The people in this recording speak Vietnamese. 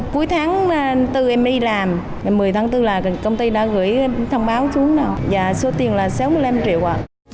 cuối tháng bốn em đi làm ngày một mươi tháng bốn là công ty đã gửi thông báo xuống và số tiền là sáu mươi năm triệu